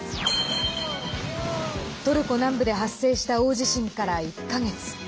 トルコ南部で発生した大地震から１か月。